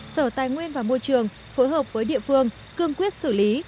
sở tài nguyên và môi trường phối hợp với địa phương cương quyết xử lý